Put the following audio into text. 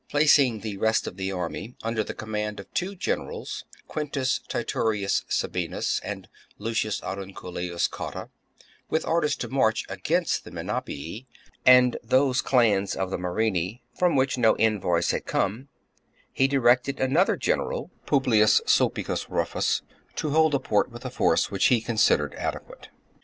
Placing the rest of the army under the command of two generals, Quintus Titurius Sabinus and Lucius Aurunculeius Cotta, with orders to march against the Menapii and those clans of the Morini from which no envoys had come, he directed another general, Publius Sulpi cius Rufus, to hold the port with a force which he considered adequate.